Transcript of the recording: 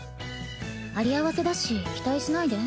あり合わせだし期待しないで。